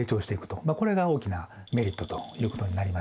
これが大きなメリットということになります。